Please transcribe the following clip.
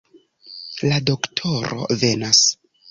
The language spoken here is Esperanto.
La doktoro venas!